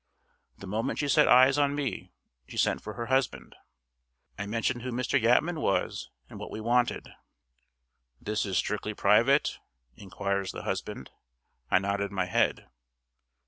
The moment she set eyes on me she sent for her husband. I mentioned who Mr. Yatman was, and what we wanted. "This is strictly private?" inquires the husband. I nodded my head.